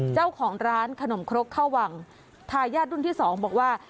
เจ้าของร้านขนมครกข้าววังทายาทรุ่นที่สองบอกว่า